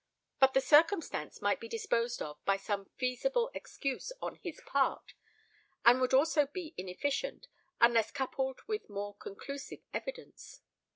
But this circumstance might be disposed of by some feasible excuse on his part, and would also be inefficient unless coupled with more conclusive evidence.